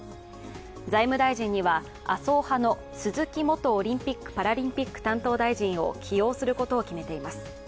財務大臣には麻生派の鈴木元オリンピック担当大臣を起用することを決めています。